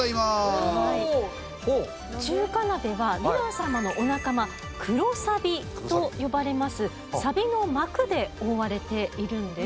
中華鍋はヴィラン様のお仲間「黒サビ」と呼ばれますサビの膜で覆われているんです。